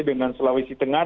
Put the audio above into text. dengan sulawesi tengah